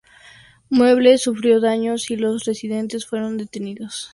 Muebles sufrió daños y los residentes fueron detenidos con las manos levantadas.